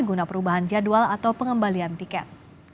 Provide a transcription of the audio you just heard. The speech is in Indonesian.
guna perubahan jadwal atau pengembalian tiket